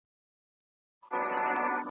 نه مو زخم ته مرهم دي پیدا کړي .